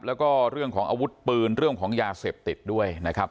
แล้วก็เรื่องของอาวุธปืนเรื่องของยาเสพติดด้วยนะครับ